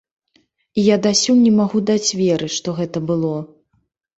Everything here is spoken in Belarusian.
І я дасюль не магу даць веры, што гэта было.